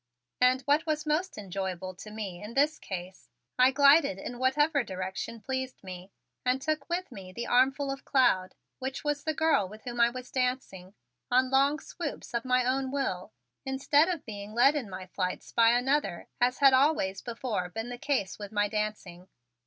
And, what was most enjoyable to me in this case, I glided in whatever direction pleased me and took with me the armful of cloud, which was the girl with whom I was dancing, on long swoops of my own will, instead of being led in my flights by another as had always before been the case with my dancing.